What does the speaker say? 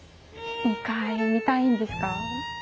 ２階見たいんですか？